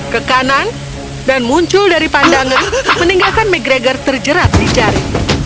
ke kanan dan muncul dari pandangan meninggalkan mcgregor terjerat di jari